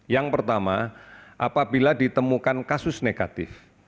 yang pertama apabila ditemukan kasus negatif